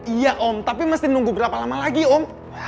iya om tapi mesti nunggu berapa lama lagi om